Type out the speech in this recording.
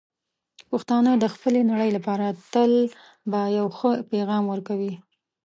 پښتانه د خپلې نړۍ لپاره تل به یو ښه پېغام ورکوي.